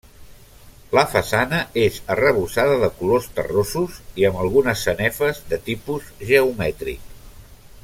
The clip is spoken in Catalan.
La façana és arrebossada de colors terrosos i amb algunes sanefes de tipus geomètric.